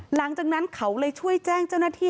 หลังจากนั้นเขาเลยช่วยแจ้งเจ้าหน้าที่